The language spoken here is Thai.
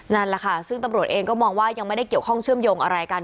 นั่นแหละค่ะซึ่งตำรวจเองก็มองว่ายังไม่ได้เกี่ยวข้องเชื่อมโยงอะไรกัน